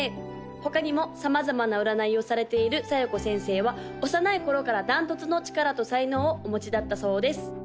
他にも様々な占いをされている小夜子先生は幼い頃から断トツの力と才能をお持ちだったそうです